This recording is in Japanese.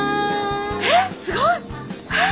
えっすごい！えっ？